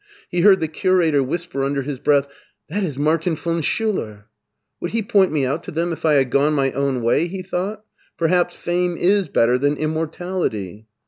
He heard the curator whisper under his breath, *' That is Martin von Schiiler.'' " Would he point me out to them if I had gone my own way? " he thought; " perhaps fame is better than immortality."